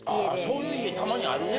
そういう家たまにあるね。